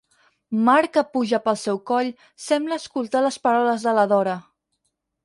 Mar que puja pel seu coll, sembla escoltar les paraules de la Dora.